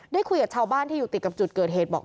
คุยกับชาวบ้านที่อยู่ติดกับจุดเกิดเหตุบอก